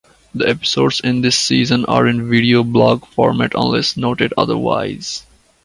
The episodes in this season are in video blog format unless noted otherwise.